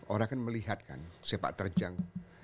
orang kan melihat kan sepak terjang